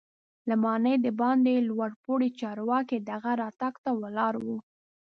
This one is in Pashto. له ماڼۍ دباندې لوړ پوړي چارواکي د هغه راتګ ته ولاړ وو.